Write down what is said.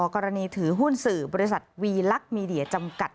กรณีถือหุ้นสื่อบริษัทวีลักษณ์มีเดียจำกัด